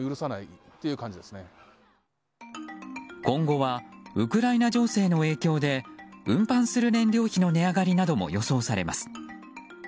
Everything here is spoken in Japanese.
今後はウクライナ情勢の影響で運搬する燃料費の値上がりなども予想されます。